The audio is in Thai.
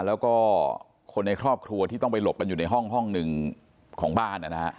แล้วก็คนในครอบครัวที่ต้องไปหลบกันอยู่ในห้องหนึ่งของบ้านนะฮะ